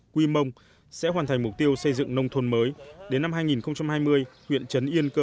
quy mông sẽ hoàn thành mục tiêu xây dựng nông thôn mới đến năm hai nghìn hai mươi huyện trấn yên cơ